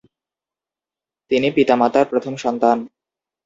তিনি পিতা মাতার প্রথম সন্তান।